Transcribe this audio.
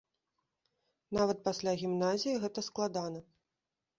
Нават пасля гімназіі гэта складана.